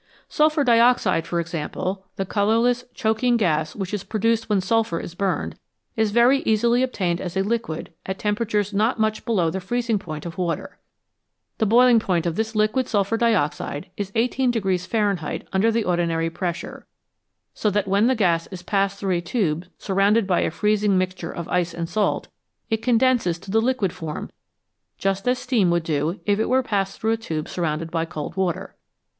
Sulphur dioxide, for example, the colourless, choking gas which is produced when sulphur is burned, is very easily obtained as a liquid at temperatures not much below the freezing point of water. The boiling point of this liquid sulphur dioxide is 18 Fahrenheit under the ordinary pressure, so that when the gas is passed through a tube surrounded by a freezing mixture of ice and salt, it condenses to the liquid form just as steam would do if it were passed through a tube surrounded by cold water.